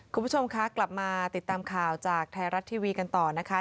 คุณผู้ชมคะกลับมาติดตามข่าวจากไทยรัฐทีวีกันต่อนะคะ